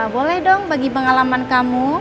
boleh dong bagi pengalaman kamu